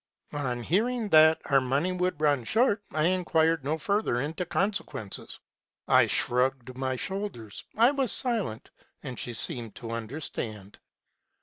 "On hearing that our money would run short, I inquired no further into consequences ; I shrugged my shoulders ; I was silent, and she seemed to understand me.